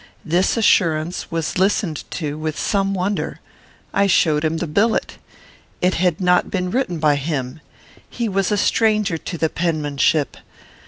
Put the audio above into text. This assurance was listened to with some wonder. I showed him the billet. It had not been written by him. He was a stranger to the penmanship.